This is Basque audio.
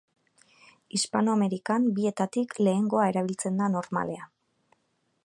Hispanoamerikan bietatik lehengoa erabiltzen da normalean.